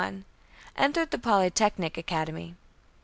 Entered the Polytechnic Academy.